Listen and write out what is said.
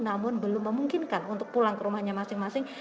namun belum memungkinkan untuk pulang ke rumahnya masing masing